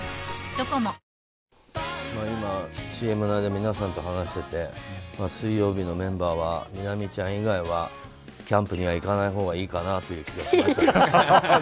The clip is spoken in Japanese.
ＣＭの間に皆さんと話していて水曜日のメンバーはみなみちゃん以外はキャンプには行かないほうがいいかなという気がしました。